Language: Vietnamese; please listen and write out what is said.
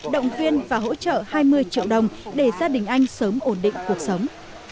động viên và hỗ trợ hai mươi triệu đồng để gia đình anh sớm ổn định cuộc sống